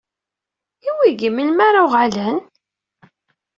I wigi, melmi ara uɣalen?